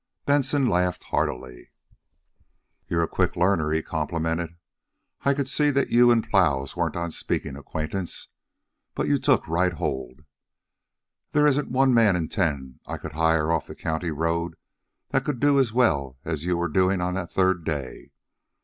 Benson laughed heartily. "You're a quick learner," he complimented. "I could see that you and plows weren't on speaking acquaintance. But you took hold right. There isn't one man in ten I could hire off the county road that could do as well as you were doing on the third day.